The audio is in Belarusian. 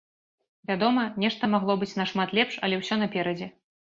Вядома, нешта магло быць нашмат лепш, але ўсё наперадзе!